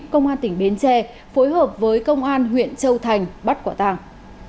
công an tỉnh bến tre phối hợp với công an huyện châu thành bắt quả tàng